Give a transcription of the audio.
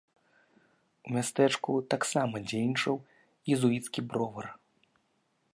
У мястэчку таксама дзейнічаў езуіцкі бровар.